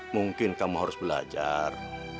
mungkin kamu harus belajar